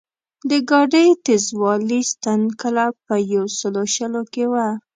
د ګاډۍ تېزوالي ستن کله په یو سلو شلو کې وه.